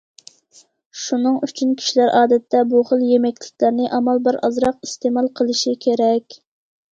شۇنىڭ ئۈچۈن كىشىلەر ئادەتتە بۇ خىل يېمەكلىكلەرنى ئامال بار ئازراق ئىستېمال قىلىشى كېرەك.